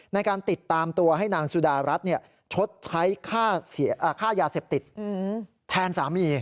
ในการติดตามตัวให้นางสุดารัฐชดใช้ค่ายาเสพติดแทนสามี